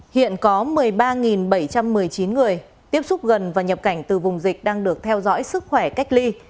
hiện có một mươi ba bảy trăm một mươi chín người tiếp xúc gần và nhập cảnh từ vùng dịch đang được theo dõi sức khỏe cách ly